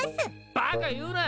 バカ言うな！